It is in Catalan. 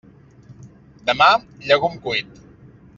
Demà, llegum cuit.